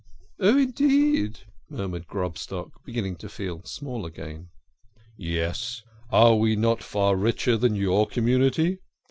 " Oh, indeed !" murmured Grobstock, beginning to feel small again. "Yes are we not far richer than your community?